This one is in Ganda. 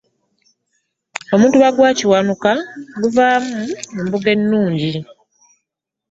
Omutuba gwa Kiwanuka guvaamu embugo ennungi.